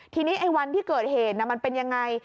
ทีนี้ไอ้วันที่เกิดเหตุมันเป็นยังไง